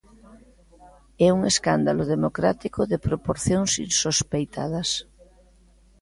É un escándalo democrático de proporcións insospeitadas.